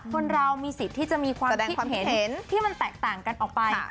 คนเรามีสิทธิ์ที่จะมีความคิดเห็นแสดงความคิดเห็นที่มันแตกต่างกันออกไปค่ะ